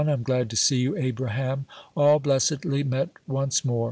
"I'm glad to see you, Abraham!" "All blessedly met once more!"